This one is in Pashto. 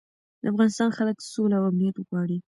د افغانستان خلک سوله او امنیت غواړي.